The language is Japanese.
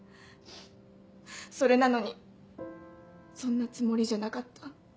それなのに「そんなつもりじゃなかった」？